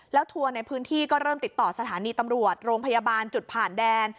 แล้วทัวร์ในพื้นที่ก็เริ่มติดต่อสถานีตำรวจโรงพยาบาลจุดผ่านแดน